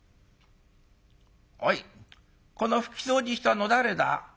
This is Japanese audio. おいこの拭き掃除したの誰だ？